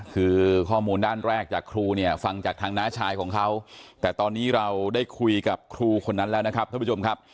คือข้อมูลด้านแรกจากครูเนี่ยฟังจากทางน้าชายของเขาแต่ตอนนี้เราได้คุยกับครูคนนั้นแล้วนะครับท่านผู้ชมครับ